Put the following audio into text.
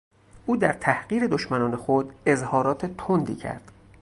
او در تحقیر دشمنان خود اظهارات تندی کرد.